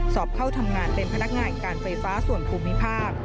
สอบเข้าทำงานเป็นพนักงานการไฟฟ้าส่วนภูมิภาค